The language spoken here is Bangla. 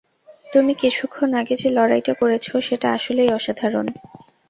তুমি কিছুক্ষণ আগে যে লড়াইটা করেছ, সেটা আসলেই অসাধারণ।